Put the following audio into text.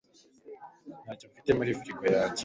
Ntacyo mfite muri frigo yanjye